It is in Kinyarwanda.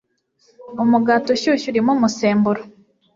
Umugati Ushyushye Urimo Umusemburo